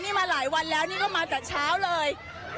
นี่มาหลายวันแล้วนี่ก็มาแต่เช้าเลย